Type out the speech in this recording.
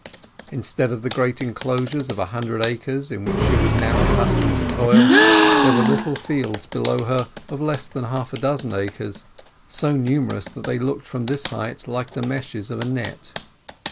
Instead of the great enclosures of a hundred acres in which she was now accustomed to toil, there were little fields below her of less than half a dozen acres, so numerous that they looked from this height like the meshes of a net.